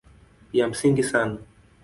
Ya msingi sana